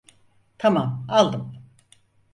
Tamam aldım.